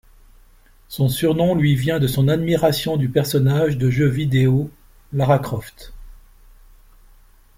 Son surnom lui vient de son admiration du personnage de jeux vidéo Lara Croft.